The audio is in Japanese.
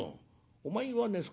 お前はね